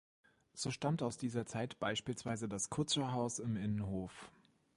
So stammt aus dieser Zeit beispielsweise das Kutscherhaus im Innenhof.